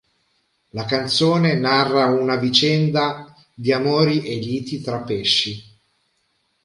La canzone narra una vicenda di amori e liti tra pesci.